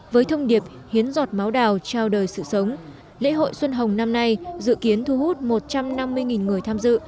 với thông điệp hiến giọt máu đào trao đời sự sống lễ hội xuân hồng năm nay dự kiến thu hút một trăm năm mươi người tham dự